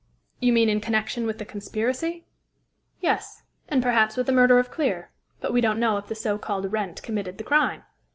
"You mean in connection with the conspiracy?" "Yes, and perhaps with the murder of Clear; but we don't know if the so called Wrent committed the crime.